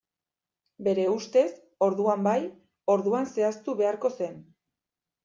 Bere ustez, orduan bai, orduan zehaztu beharko zen.